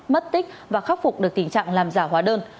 mất tích và khắc phục được tình trạng làm giả hóa đơn